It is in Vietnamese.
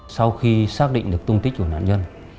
sau khi xác định được tung tích của nạn nhân